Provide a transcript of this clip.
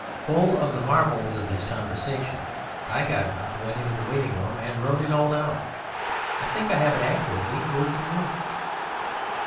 Full of the marvels of this conversation I got out, went into the waiting room and wrote it all down. I think I have it accurately word for word.